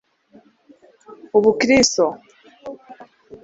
ubukristo